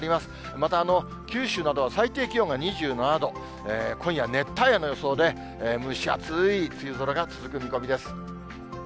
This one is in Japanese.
また九州などは最低気温が２７度、今夜熱帯夜の予想で、蒸し暑い梅雨空が続く見込みです。